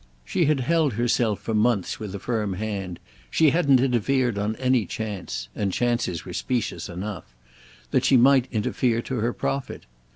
She had held herself for months with a firm hand; she hadn't interfered on any chance—and chances were specious enough—that she might interfere to her profit.